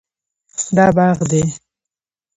دا باغ دی